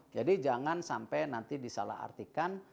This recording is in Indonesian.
jadi jangan sampai nanti disalah artikan